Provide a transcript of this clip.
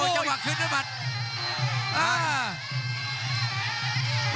จังหวะคืนด้วยหมัด